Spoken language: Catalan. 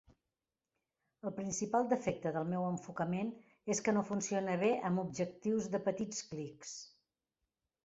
El principal defecte del meu enfocament és que no funciona bé amb objectius de petits clics.